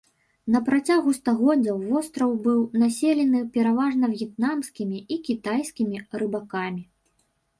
На працягу стагоддзяў востраў быў населены пераважна в'етнамскімі і кітайскімі рыбакамі.